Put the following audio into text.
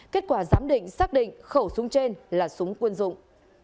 kết quả giám định xác định khẩu súng trên là súng quân dụng